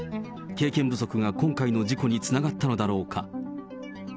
経験不足が今回の事故につながったのだろうか。